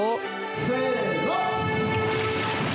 せの！